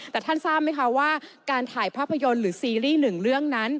แต่ท่านทราบไหมคะว่าการถ่ายภาพยนตร์หรือซีรีส์หนึ่งเรื่องนั้น